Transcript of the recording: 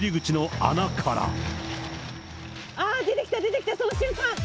ああ、出てきた出てきた、その瞬間。